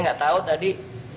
nah saya gak tahu tadi